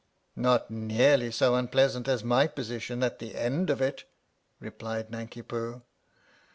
" Not nearly so unpleasant as my position at the end of it," replied Nanki Poo.